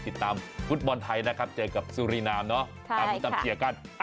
ติดตามฟุตบอลไทยนะครับเจอกับสุรินามเนาะตามที่ตามเชียร์กัน